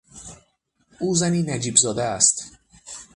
او زنی نجیب زاده است.